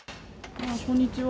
こんにちは。